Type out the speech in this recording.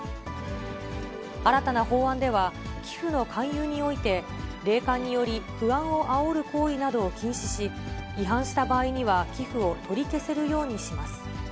新たな法案では、寄付の勧誘において、霊感により、不安をあおる行為などを禁止し、違反した場合には寄付を取り消せるようにします。